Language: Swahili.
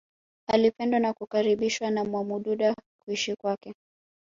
Alipendwa na kukaribishwa na Mwamududa kuishi kwake